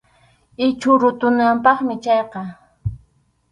Ichhu rutunapaqmi chayqa.